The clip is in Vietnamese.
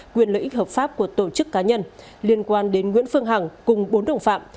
quyền lợi ích hợp pháp của tổ chức cá nhân liên quan đến nguyễn phương hằng cùng bốn đồng phạm